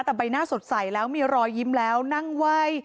แต่ใบหน้าสดใสแล้วมีรอยยิ้มแล้วนั่งไหว้